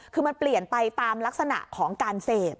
คือมันเปลี่ยนไปตามลักษณะของการเสพ